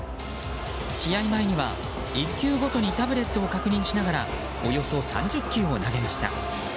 試合前には１球ごとにタブレットを確認しながらおよそ３０球を投げました。